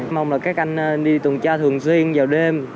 mong là các anh đi tuần tra thường xuyên vào đêm